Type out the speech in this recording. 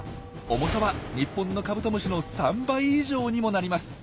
重さは日本のカブトムシの３倍以上にもなります。